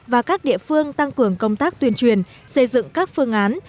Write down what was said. và các địa phương tăng cường công tác tuyên truyền xây dựng các phương án